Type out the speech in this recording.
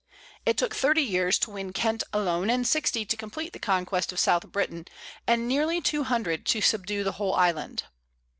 "It took thirty years to win Kent alone, and sixty to complete the conquest of south Britain, and nearly two hundred to subdue the whole island."